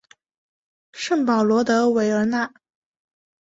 圣保罗德韦尔讷。